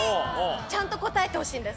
ちゃんと答えてほしいんです。